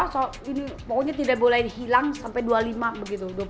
so ini pokoknya tidak boleh hilang sampai dua puluh lima begitu